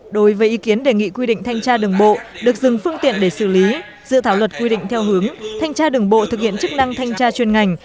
đối với ý kiến đề nghị quy định thanh tra đường bộ được dừng phương tiện để xử lý dự thảo luật quy định theo hướng thanh tra đường bộ thực hiện chức năng thanh tra chuyên ngành